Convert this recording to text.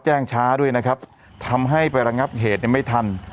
แจ้งช้าด้วยนะครับทำให้ไประงับเหตุเนี่ยไม่ทัน